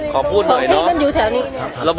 ขอบคุณหน่อยนะครับ